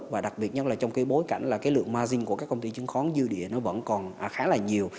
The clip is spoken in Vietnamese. và đặc biệt nhất là trong cái bối cảnh là cái lượng mazil của các công ty chứng khoán dư địa nó vẫn còn khá là nhiều